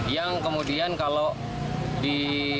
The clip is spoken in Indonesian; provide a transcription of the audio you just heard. yang kemudian kalau di